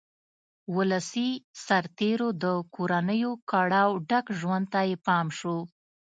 ولسي سرتېرو د کورنیو کړاوه ډک ژوند ته یې پام شو.